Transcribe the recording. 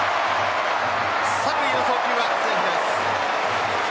三塁の送球はセーフです。